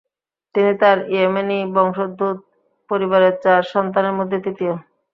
তিনি তার ইয়েমেনি বংশোদ্ভুত পরিবারের চার সন্তানের মধ্যে তৃতীয়।